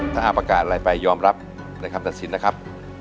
ถ้าหากประกาศอะไรไปยอมรับในคำตัดสินนะครับ